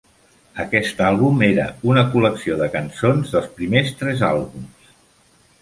Aquest àlbum era una col·lecció de cançons dels primers tres àlbums.